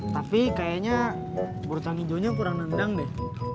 tapi kayaknya berhutang hijaunya kurang nendang deh